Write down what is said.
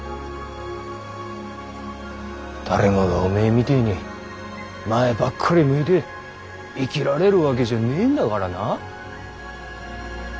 誰もがおめぇみてぇに前ばっかり向いて生きられるわけじゃねぇんだからな。